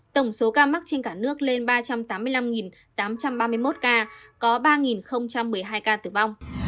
tổng số ca mắc trên cả nước lên ba trăm tám mươi năm tám trăm ba mươi một ca có ba một mươi hai ca tử vong